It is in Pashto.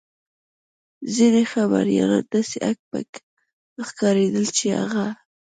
ځینې خبریالان داسې هک پک ښکارېدل چې هغه.